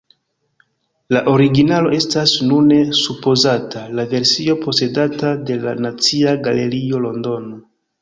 La originalo estas nune supozata la versio posedata de la Nacia Galerio, Londono.